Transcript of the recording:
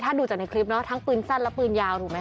ถ้าดูจากในคลิปเนาะทั้งปืนสั้นและปืนยาวถูกไหม